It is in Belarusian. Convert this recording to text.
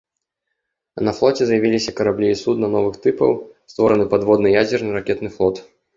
На флоце з'явіліся караблі і судна новых тыпаў, створаны падводны ядзерны ракетны флот.